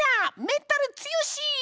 メンタル強し！